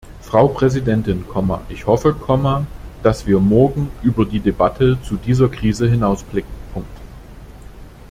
Frau Präsidentin, ich hoffe, dass wir morgen über die Debatte zu dieser Krise hinausblicken.